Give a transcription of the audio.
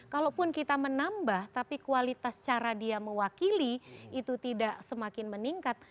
kalaupun kita menambah tapi kualitas cara dia mewakili itu tidak semakin meningkat